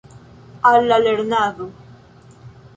Al la lernado!